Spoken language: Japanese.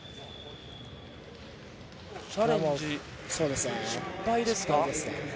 チャレンジ失敗ですか。